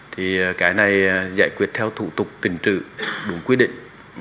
thì cái này giải quyết theo thủ tục kinh trự đúng quy định